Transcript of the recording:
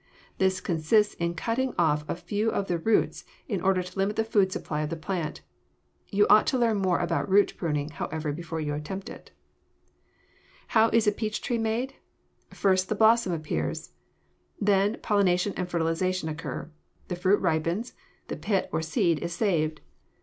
This consists in cutting off a few of the roots in order to limit the food supply of the plant. You ought to learn more about root pruning, however, before you attempt it. [Illustration: FIG. 80. Refuses to Heal Heals promptly] How is a peach tree made? First, the blossom appears. Then pollination and fertilization occur. The fruit ripens. The pit, or seed, is saved.